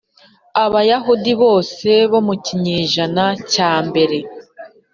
abayahudi bose bo mu kinyejana cya mbere